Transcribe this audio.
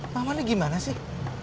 mama ini gimana sih